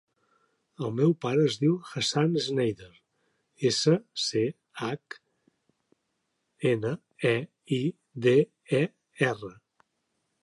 El meu pare es diu Hassan Schneider: essa, ce, hac, ena, e, i, de, e, erra.